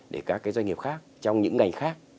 để các cái doanh nghiệp khác trong những ngành khác